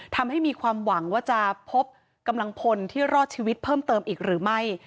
ทำให้มีความหวังว่าจะพบกำลังพลที่รอดชีวิตเพิ่มเติมอีกหรือไม่